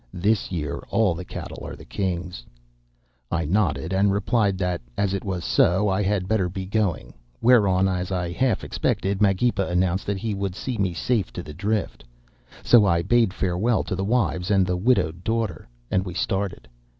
'This year all the cattle are the king's.' "I nodded and replied that, as it was so, I had better be going, whereon, as I half expected, Magepa announced that he would see me safe to the drift. So I bade farewell to the wives and the widowed daughter, and we started.